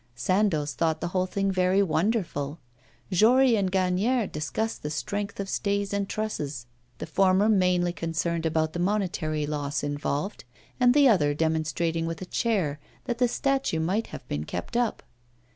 Sandoz thought the whole thing very wonderful; Jory and Gagnière discussed the strength of stays and trusses; the former mainly concerned about the monetary loss involved, and the other demonstrating with a chair that the statue might have been kept up.